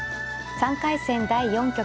３回戦第４局。